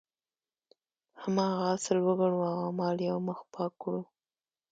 هماغه اصل وګڼو او اعمال یو مخ پاک کړو.